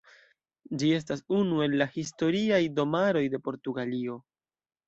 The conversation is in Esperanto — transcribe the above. Ĝi estas unu el la Historiaj Domaroj de Portugalio.